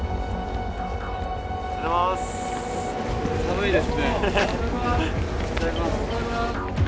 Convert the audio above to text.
おはようございます。